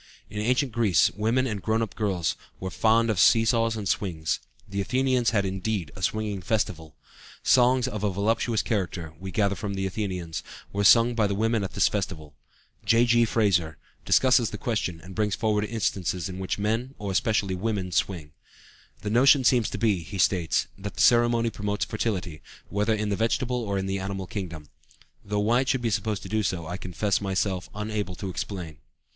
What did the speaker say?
In ancient Greece, women and grown up girls were fond of see saws and swings. The Athenians had, indeed, a swinging festival (Athenæus, Bk. XIV, Ch. X). Songs of a voluptuous character, we gather from Athenæus, were sung by the women at this festival. J.G. Frazer (The Golden Bough, vol. ii, note A, "Swinging as a Magical Rite") discusses the question, and brings forward instances in which men, or, especially, women swing. "The notion seems to be," he states, "that the ceremony promotes fertility, whether in the vegetable or in the animal kingdom; though why it should be supposed to do so, I confess myself unable to explain" (loc.